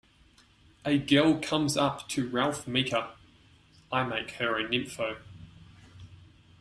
A girl comes up to Ralph Meeker, I make her a nympho.